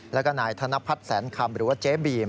แล้วก็นายธนพัฒน์แสนคำหรือว่าเจ๊บีม